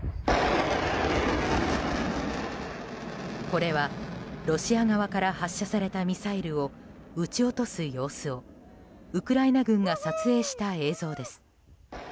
これはロシア側から発射されたミサイルを撃ち落とす様子をウクライナ軍が撮影した映像です。